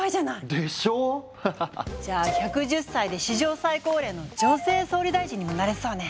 じゃあ１１０歳で史上最高齢の女性総理大臣にもなれそうね！